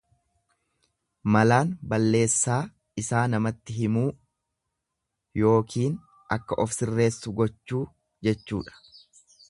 Malaan balleessaa isaa namatti himuu yookiin akka of sirreessu gochuu jechuudha.